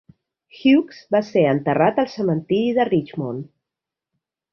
Hughes va ser enterrat al cementiri de Richmond.